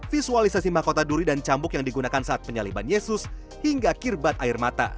visualisasi mahkota duri dan cambuk yang digunakan saat penyaliban yesus hingga kirbat air mata